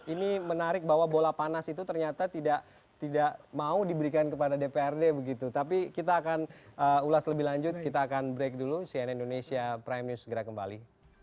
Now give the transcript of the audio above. ini menarik bahwa bola panas itu ternyata tidak mau diberikan kepada dprd begitu tapi kita akan ulas lebih lanjut kita akan break dulu cnn indonesia prime news segera kembali